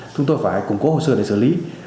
chúng tôi phải củng cố hồ sơ để xử lý